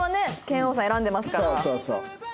拳王さん選んでますから。